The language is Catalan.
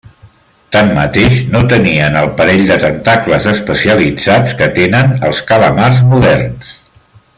Tanmateix no tenien el parell de tentacles especialitzats que tenen els calamars moderns.